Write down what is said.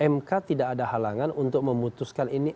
mk tidak ada halangan untuk memutuskan ini